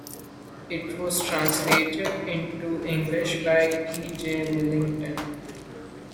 It was translated into English by E. J. Millington.